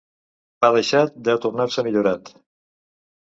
Pa deixat deu tornar-se millorat.